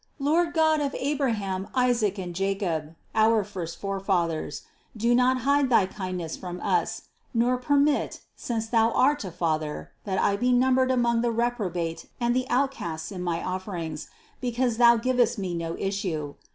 Lord God of Abraham, Isaac and Jacob, our first forefathers, do not hide thy kindness from us, nor permit, since Thou art a Father, that I be numbered among the reprobate and the outcasts in my offerings, because Thou givest me no issue.